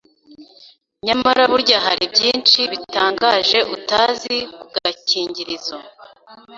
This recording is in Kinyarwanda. Nyamara burya hari byinshi bitangaje utazi ku gakingirizo.